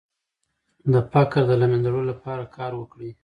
د فقر د له منځه وړلو لپاره کار وکړئ.